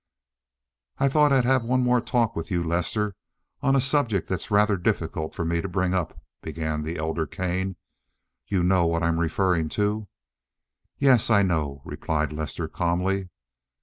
"I thought I'd have one more talk with you, Lester, on a subject that's rather difficult for me to bring up," began the elder Kane. "You know what I'm referring to?" "Yes, I know," replied Lester, calmly.